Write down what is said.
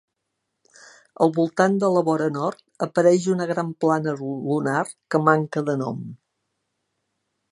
Al voltant de la vora nord apareix una gran plana lunar que manca de nom.